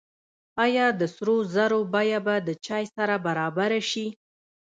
آیا د سرو زرو بیه به د چای سره برابره شي؟